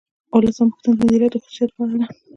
اوولسمه پوښتنه د مدیریت د خصوصیاتو په اړه ده.